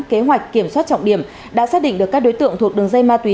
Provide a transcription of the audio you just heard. kế hoạch kiểm soát trọng điểm đã xác định được các đối tượng thuộc đường dây ma túy